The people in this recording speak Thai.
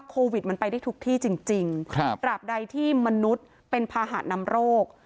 โควิดมันไปได้ทุกที่จริงจริงครับตราบใดที่มนุษย์เป็นภาหะนำโรค